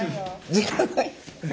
時間ない。